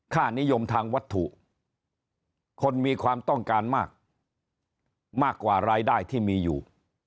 ค่านิยมทางวัตถุคนมีความต้องการมากมากกว่ารายได้ที่มีอยู่